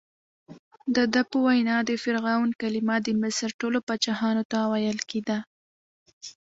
دده په وینا د فرعون کلمه د مصر ټولو پاچاهانو ته ویل کېده.